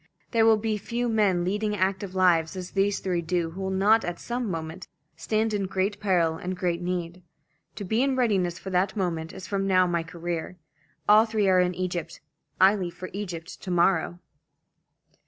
There will be few men leading active lives as these three do who will not at some moment stand in great peril and great need. To be in readiness for that moment is from now my career. All three are in Egypt. I leave for Egypt to morrow."